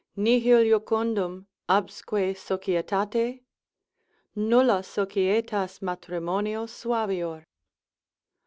Nihil jucundum absque societate? Nulla societas matrimonio suavior.